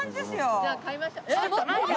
じゃあ買いましょう。